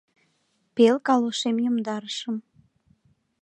Пел калошем йомдарышым.